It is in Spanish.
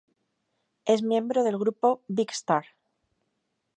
Es miembro del grupo "Big Star".